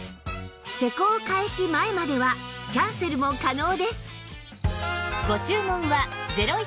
施工開始前まではキャンセルも可能です